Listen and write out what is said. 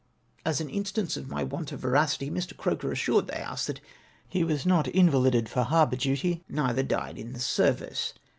As an instance of my want of veracity, Mr. Croker assured the House that " he was not invalided for harbour duty, neither died in the service.''